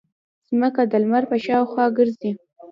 ځمکه د لمر په شاوخوا ګرځي.